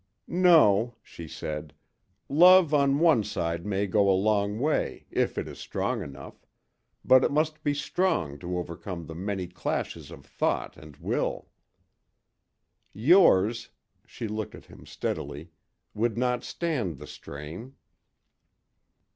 "No," she said. "Love on one side may go a long way, if it is strong enough but it must be strong to overcome the many clashes of thought and will. Yours" she looked at him steadily "would not stand the strain."